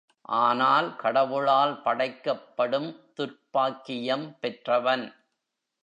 ஆனால் கடவுளால் படைக்கப்படும் துர்ப்பாக்கியம் பெற்றவன்.